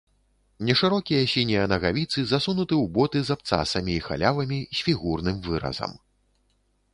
Нешырокія сінія нагавіцы засунуты ў боты з абцасамі і халявамі з фігурным выразам.